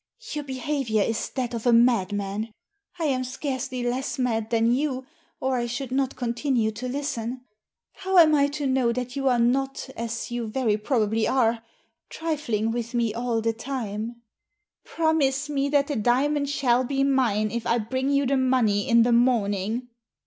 "Your behaviour is that of a madman. I am scarcely less mad than you, or I should not continue to listen. How am I to know that you are not, as you very probably are, trifling with me all the time ?" "Promise me that the diamond shall be mine if I bring you the money in the morning."